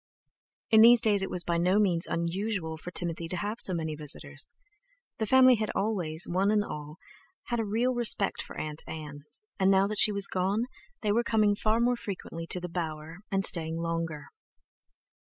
In these days it was by no means unusual for Timothy to have so many visitors. The family had always, one and all, had a real respect for Aunt Ann, and now that she was gone, they were coming far more frequently to The Bower, and staying longer.